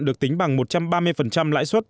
được tính bằng một trăm ba mươi lãi suất